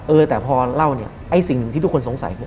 เออแต่พอเล่าเนี่ยไอ้สิ่งหนึ่งที่ทุกคนสงสัยคือ